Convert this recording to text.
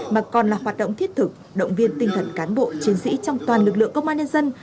mà còn là hoạt động thiết thực động viên tinh thần cán bộ chiến sĩ trong toàn lực lượng công an nhân dân